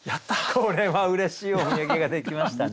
これはうれしいお土産ができましたね。